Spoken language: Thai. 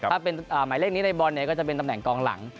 ถ้ามายเลขในบอลก็จะเป็นตำแหน่งกองหลัง